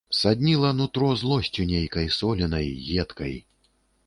Садніла нутро злосцю нейкай соленай, едкай.